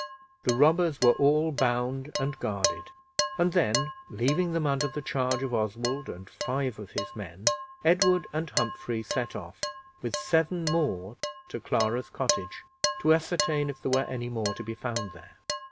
The robbers were all bound and guarded; and then, leaving them under the charge of Oswald and five of his men, Edward and Humphrey set off with seven more to Clara's cottage, to ascertain if there were any more to be found there.